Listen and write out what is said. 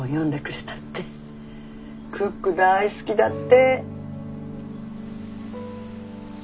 クック大好きだって。